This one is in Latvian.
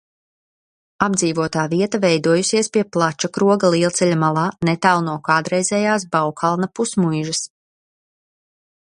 Apdzīvotā vieta veidojusies pie Plačakroga lielceļa malā, netālu no kādreizējās Baukalna pusmuižas.